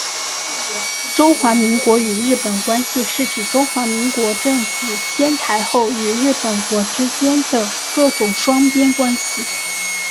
中华民国与日本关系是指中华民国政府迁台后与日本国之间的各种双边关系。